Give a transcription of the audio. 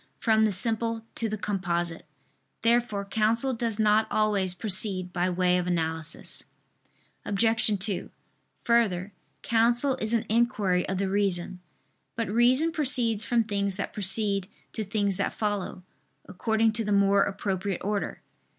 from the simple to the composite. Therefore counsel does not always proceed by way of analysis. Obj. 2: Further, counsel is an inquiry of the reason. But reason proceeds from things that precede to things that follow, according to the more appropriate order.